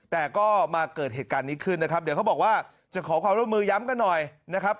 แต่ก็มาเกิดเหตุการณ์นี้ขึ้นนะครับเดี๋ยวเขาบอกว่าจะขอความร่วมมือย้ำกันหน่อยนะครับ